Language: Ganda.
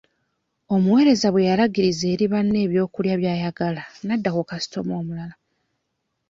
Omuweereza bwe yalagiriza eri banne ebyokulya by'ayagala nadda ku kaasitoma omulala.